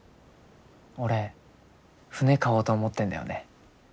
俺船買おうと思ってんだよね。